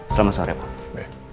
selamat sore pak